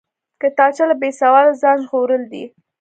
کتابچه له بېسواده ځان ژغورل دي